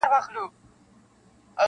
• ړوند اوکوڼ سي له نېکیه یې زړه تور سي -